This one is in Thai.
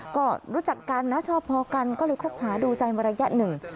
ก็รู้จักกันนะชอบพอกันก็เลยคบหาดูใจมาระยะหนึ่ง